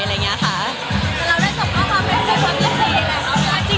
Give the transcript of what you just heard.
แล้วเราได้สมมติว่าความรู้สึกว่าไม่ใช่จริง